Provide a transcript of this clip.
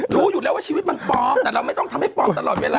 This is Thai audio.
รู้อยู่แล้วว่าชีวิตมันปลอมแต่เราไม่ต้องทำให้ปลอมตลอดเวลา